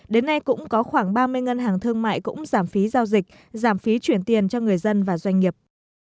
đến nay cũng có khoảng ba mươi ngân hàng thương mại cũng giảm phí giao dịch giảm phí chuyển tiền cho người dân và doanh nghiệp